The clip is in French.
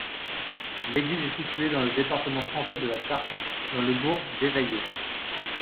L'église est située dans le département français de la Sarthe, dans le bourg d'Évaillé.